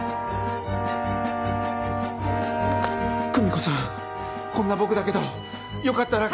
久美子さんこんな僕だけどよかったら。